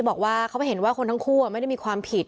บอกว่าเขาไปเห็นว่าคนทั้งคู่ไม่ได้มีความผิด